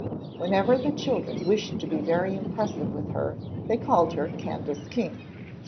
Whenever the children wished to be very impressive with her they called her "Candace King."